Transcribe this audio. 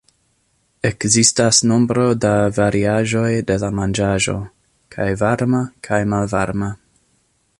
Ekzistas nombro da variaĵoj de la manĝaĵo, kaj varma kaj malvarma.